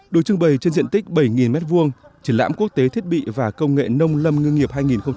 được trưng bày trên diện tích bảy m hai triển lãm quốc tế thiết bị và công nghệ nông lâm ngư nghiệp hai nghìn một mươi chín